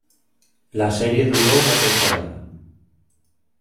La serie duró una temporada.